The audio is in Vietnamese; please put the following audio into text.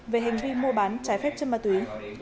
về hành vi mua bán trái phép chất ma túy